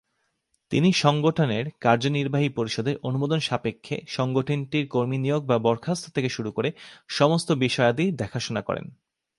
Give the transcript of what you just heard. তিনি সংগঠনের কার্যনির্বাহী সংসদের অনুমোদন সাপেক্ষে সংগঠনটির কর্মী নিয়োগ বা বরখাস্ত থেকে শুরু করে সমস্ত বিষয়াদি দেখাশোনা করেন।